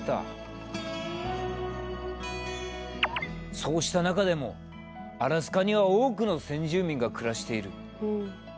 そうした中でもアラスカには多くの先住民が暮らしている。